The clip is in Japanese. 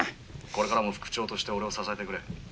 「これからも副長として俺を支えてくれ」。